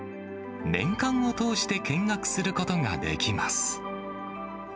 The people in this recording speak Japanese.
年間を通して見学することができます。